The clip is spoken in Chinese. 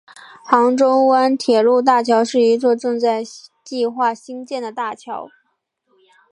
杭州湾铁路大桥是一座正在计划兴建的大桥。